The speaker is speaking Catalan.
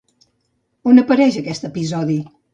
On apareix aquest episodi?